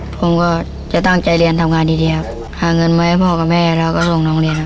ผมก็จะตั้งใจเรียนทำงานดีดีครับหาเงินไว้ให้พ่อกับแม่แล้วก็ส่งน้องเรียนครับ